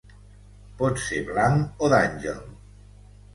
Pot ser blanc o d'àngel.